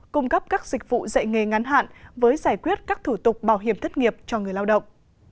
cung cấp các dịch vụ dạy nghề ngắn hạn với giải quyết các thủ tục bảo hiểm thất nghiệp cho người lao động